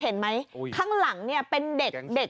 เห็นไหมข้างหลังเนี่ยเป็นเด็ก